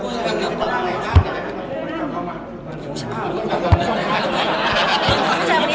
แล้วตอนนี้ตอนนี้ตอนนี้ตอนนี้ตอนนี้ตอนนี้ตอนนี้